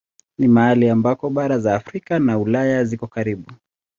Ni mahali ambako bara za Afrika na Ulaya ziko karibu.